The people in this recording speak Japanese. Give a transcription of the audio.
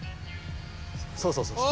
そうそうそうそう。